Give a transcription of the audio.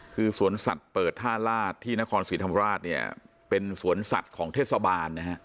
คือสวนสัตว์เปิดท่าลาศที่นครศรีธรรมราชเนี่ยเป็นสวนสัตว์ของเทศบาลนะฮะ